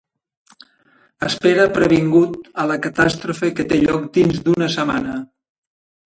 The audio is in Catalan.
Espera previngut a la Catàstrofe que té lloc dins d'una setmana.